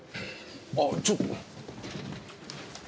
あっちょっと。